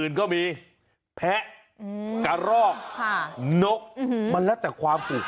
ใช่ไหม